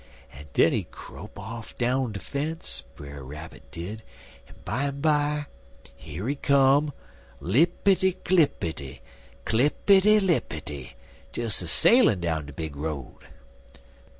"En den he crope off down de fence, Brer Rabbit did, en bimeby here he come lippity clippity, clippity lippity des a sailin' down de big road.